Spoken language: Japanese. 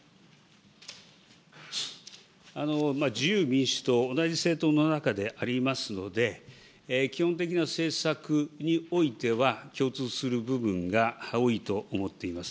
自由民主党、同じ政党の中でありますので、基本的な政策においては、共通する部分が多いと思っています。